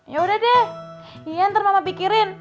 yaudah deh iya ntar mama pikirin